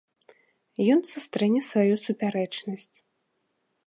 Ён сустрэне сваю супярэчнасць.